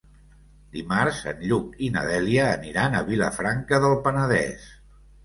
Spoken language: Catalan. Dimarts en Lluc i na Dèlia aniran a Vilafranca del Penedès.